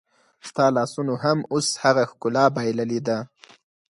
ستا لاسونو هم اوس هغه ښکلا بایللې ده